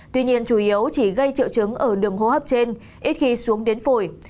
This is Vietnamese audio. tuy nhiên chủ yếu chỉ gây triệu chứng ở đường hô hấp trên ít khi xuống đến phổi